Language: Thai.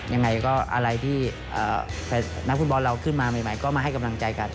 ยังไงก็อะไรที่นักฟุตบอลเราขึ้นมาใหม่ก็มาให้กำลังใจกัน